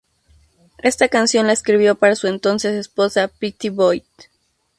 Esta canción la escribió para su entonces esposa, Pattie Boyd.